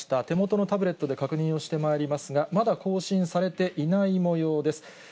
手元のタブレットで確認をしてまいりますが、まだ更新されていないもようです。